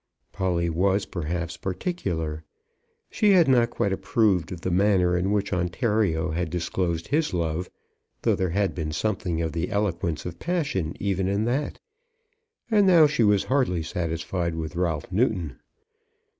Polly was, perhaps, particular. She had not quite approved of the manner in which Ontario had disclosed his love, though there had been something of the eloquence of passion even in that; and now she was hardly satisfied with Ralph Newton.